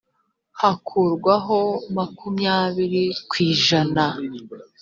hakurwaho makumyabiri ku ijana